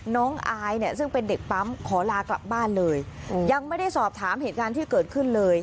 อายเนี่ยซึ่งเป็นเด็กปั๊มขอลากลับบ้านเลยยังไม่ได้สอบถามเหตุการณ์ที่เกิดขึ้นเลย